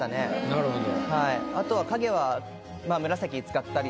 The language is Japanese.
なるほど。